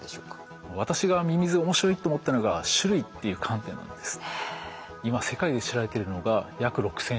私がミミズ面白いと思ったのが種類っていう観点なんです。